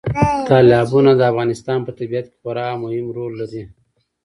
تالابونه د افغانستان په طبیعت کې خورا مهم رول لري.